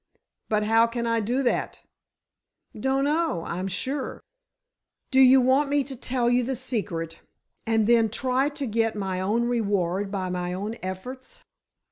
"But how can I do that?" "Dunno, I'm sure! Do you want me to tell you the secret, and then try to get my own reward by my own efforts?"